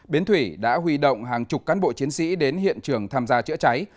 biến thủy đã huy động hàng chục cán bộ chiến sĩ đến hiện trường tham gia chữa cháy